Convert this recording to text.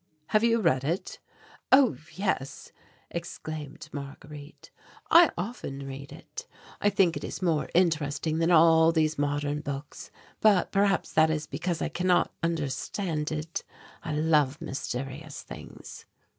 "Have you read it?" "Oh, yes," exclaimed Marguerite. "I often read it; I think it is more interesting than all these modern books, but perhaps that is because I cannot understand it; I love mysterious things."